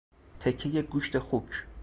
تکهی گوشت خوک